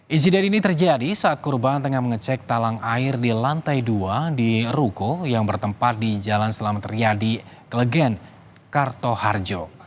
insiden ini terjadi saat korban tengah mengecek talang air di lantai dua di ruko yang bertempat di jalan selamat riyadi klegen kartoharjo